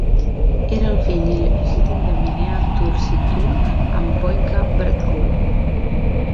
Era el fill il·legítim de Mihnea Turcitul amb Voica Bratcul.